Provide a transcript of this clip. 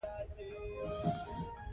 وروسته ډوډۍ په تنور یا داش کې پخیږي.